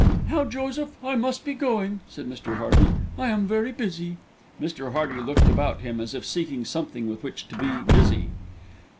"Now, Joseph, I must be going," said Mr. Hearty, "I am very busy." Mr. Hearty looked about him as if seeking something with which to be busy.